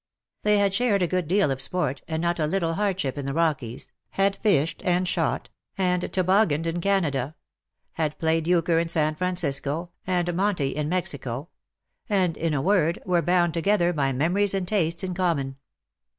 They had shared a good deal of sporty and not a little hardship in the Rockies — had fished^, and shot^ and to boggined in Canada — had played euchre in San Francisco, and monte in Mexico — and,, in a word, were bound together by memories and tastes in common.